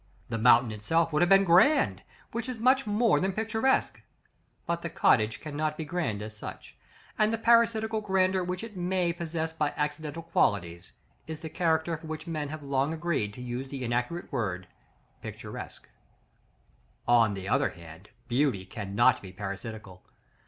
The mountain itself would have been grand, which is much more than picturesque; but the cottage cannot be grand as such, and the parasitical grandeur which it may possess by accidental qualities, is the character for which men have long agreed to use the inaccurate word "Picturesque." § XXXVI. On the other hand, beauty cannot be parasitical.